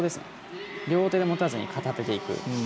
両手で持たずに片手でいく。